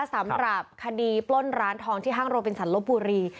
สำหรับคดีปล้นร้านทองที่ห้างโรบินสันลบบุรี